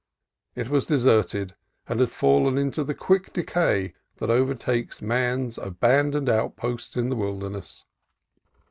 It was de serted and had fallen into the quick decay that over takes man's abandoned outposts in the wilderness.